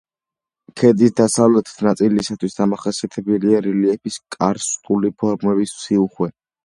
ქედის დასავლეთ ნაწილისათვის დამახასიათებელია რელიეფის კარსტული ფორმების სიუხვე.